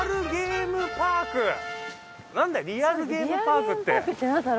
なんだよリアルゲームパークって。